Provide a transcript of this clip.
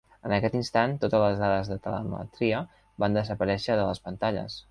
En aquest instant totes les dades de telemetria van desaparèixer de les pantalles.